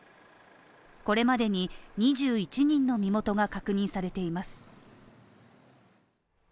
これまでに２１人の身元が確認されています。